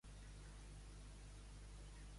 I quines dues raons, senyor George?